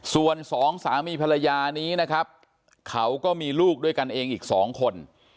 ส่วนสองสามีภรรยานี้นะครับเขาก็มีลูกด้วยกันเองอีก๒คน